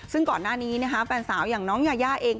ซึ่งก่อนหน้านี้แฟนสาวอย่างน้องยายาเอง